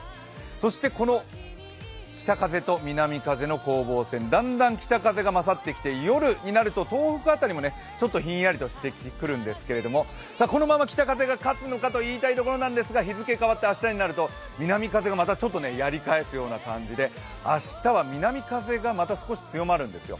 そしてこの北風と南風の攻防戦、だんだん北風が勝ってきて、夜になると東北辺りもちょっとひんやりとしてくるんですけど、このまま北風が勝つのかと言いたいところですが日付変わって明日になると南風がやり返すような感じで明日は南風がまた少し強まるんですよ。